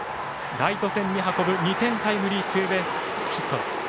ライト線に運ぶ２点タイムリーツーベースヒット。